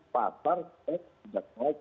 pasar eh tidak baik